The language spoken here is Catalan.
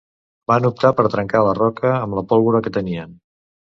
Van optar per trencar la roca amb la pólvora que tenien.